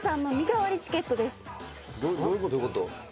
どういうこと？